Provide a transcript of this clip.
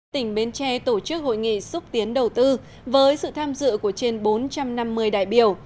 tỉnh bến tre tổ chức hội nghị xúc tiến đầu tư với sự tham dự của trên bốn trăm năm mươi đại biểu